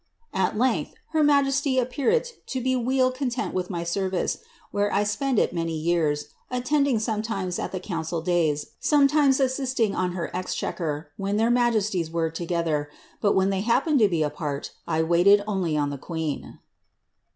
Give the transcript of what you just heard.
At length, her majesty appeant to be weel content with my service, where I spendit many years, attending sometimes at the council days, sometimes assist ing on her exchequer, when their majesties were together; but when they happened to be apart, I waited only on the queen."